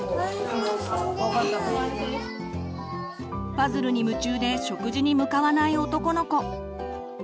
パズルに夢中で食事に向かわない男の子。